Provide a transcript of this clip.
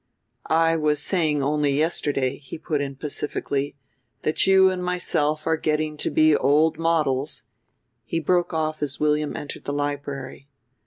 "I was saying only yesterday," he put in pacifically, "that you and myself are getting to be old models " he broke off as William entered the library.